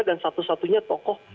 dan satu satunya tokoh